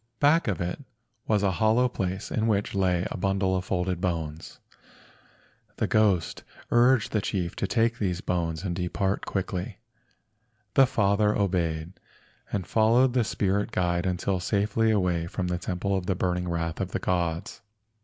Back of it was a hollow place in which lay a bundle of folded bones. IMAGES OF GODS AT THE HEIAU THE GHOST OF W AH AULA TEMPLE 13 The ghost urged the chief to take these bones and depart quickly. The father obeyed, and followed the spirit guide until safely away from the temple of the burning wrath of the gods.